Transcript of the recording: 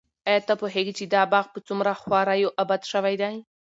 ایا ته پوهېږې چې دا باغ په څومره خواریو اباد شوی دی؟